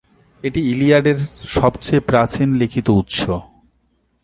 এটি "ইলিয়াড"-এর সবচেয়ে প্রাচীন লিখিত উৎস।